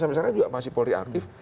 sampai sekarang juga masih polri aktif